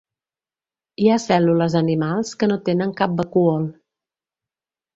Hi ha cèl·lules animals que no tenen cap vacúol.